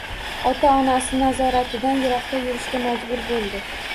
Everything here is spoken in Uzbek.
Ota-onasi nazoratidan yiroqda yurishga majbur boʻldi